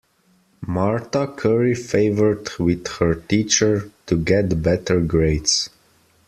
Marta curry favored with her teacher to get better grades.